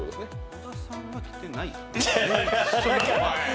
小田さんは来てない